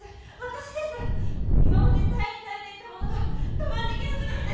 今まで耐えに耐えていたものが我慢できなくなって！